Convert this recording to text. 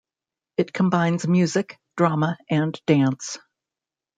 It combines music, drama, and dance.